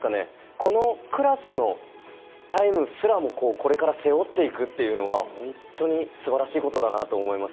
このクラスのタイムすらもこれから背負っていくというのは本当にすばらしいことだなと思います。